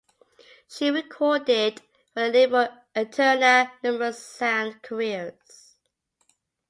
She recorded for the label "Eterna" numerous sound carriers.